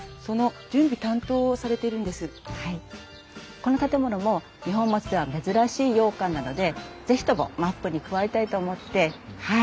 この建物も二本松では珍しい洋館なので是非ともマップに加えたいと思ってはい。